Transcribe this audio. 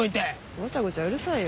ごちゃごちゃうるさいよ。